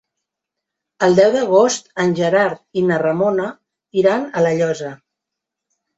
El deu d'agost en Gerard i na Ramona iran a La Llosa.